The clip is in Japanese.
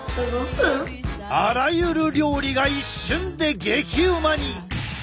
あらゆる料理が一瞬で激ウマに！